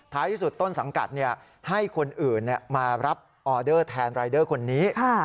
ที่สุดต้นสังกัดให้คนอื่นมารับออเดอร์แทนรายเดอร์คนนี้